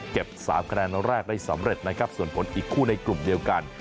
๓คะแนนแรกได้สำเร็จนะครับส่วนผลอีกคู่ในกลุ่มเดียวกัน